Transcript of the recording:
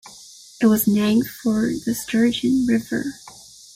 It was named for the Sturgeon River.